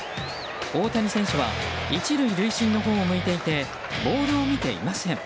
大谷選手は１塁塁審のほうを向いていてボールを見ていません。